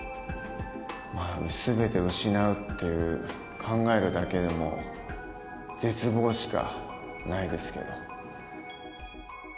全てを失うって考えるだけでも絶望しかないですけど。